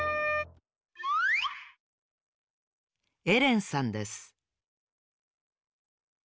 エレンさんです。